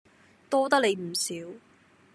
多得你唔少